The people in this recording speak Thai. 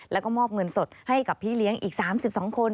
แล้วก็มอบเงินสดให้กับพี่เลี้ยงอีก๓๒คน